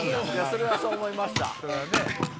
それはそう思いました。